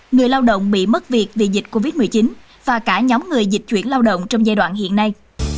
người lao động bị mất việc vì dịch covid một mươi chín và cả nhóm người dịch chuyển lao động trong giai đoạn hiện nay